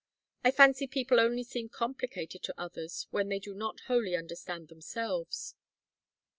I fancy people only seem complicated to others when they do not wholly understand themselves."